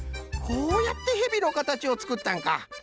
こうやってヘビのかたちをつくったんか！